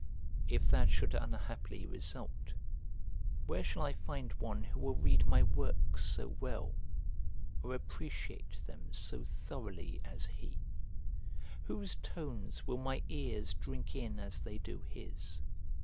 If that should unhappily result, where shall I find one who will read my works so well, or appreciate them so thoroughly as he? Whose tones will my ears drink in as they do his?